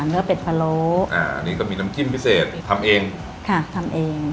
เป็ดพะโลอ่าอันนี้ก็มีน้ำจิ้มพิเศษทำเองค่ะทำเอง